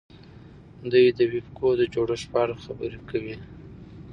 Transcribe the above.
دوی د وییکو د جوړښت په اړه خبرې کوي.